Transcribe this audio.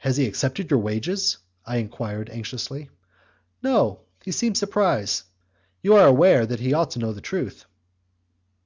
"Has he accepted your wages?" I enquired, anxiously. "No; he seemed surprised; you are aware that he ought to know the truth."